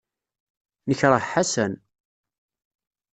Nekṛeh Ḥasan.